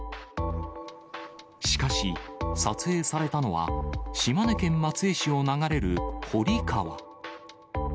しかし、撮影されたのは、島根県松江市を流れる堀川。